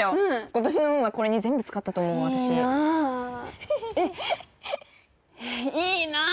今年の運はこれに全部使ったと思う私いいなあえっいいなあー！